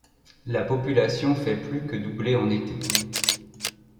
La population fait plus que doubler en été.